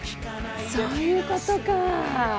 そういうことか。